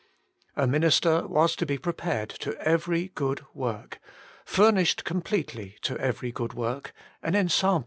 A minister was to be j prepared to every good work, furnished completely to every good work, an ensample i Mn I Tim.